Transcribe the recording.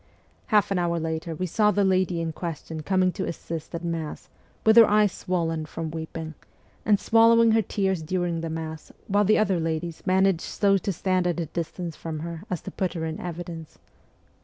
Half an hour later we saw the lady in question coming to assist at Mass, with her eyes swollen from weeping, and swallowing her tears during the Mass, while the other ladies managed so to stand at a distance from her as to put her in evidence.